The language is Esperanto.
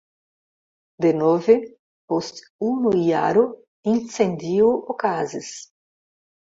Denove post unu jaro incendio okazis.